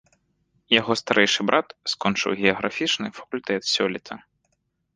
Яго старэйшы брат скончыў геаграфічны факультэт сёлета.